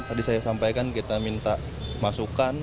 tadi saya sampaikan kita minta masukan